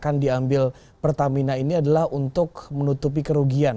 yang diambil pertamina ini adalah untuk menutupi kerugian